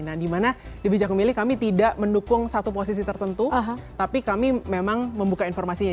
nah dimana di bijak memilih kami tidak mendukung satu posisi tertentu tapi kami memang membuka informasinya